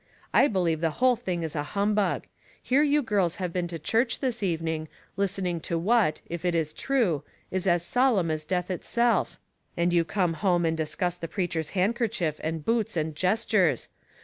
" I believe the whole thing is a humbug. Here you girls have been to church this evening, listening to what, if it is true, is as solemn as death itself ; and you come home and discuss the preacher's handkerchief, and boots, and gestures.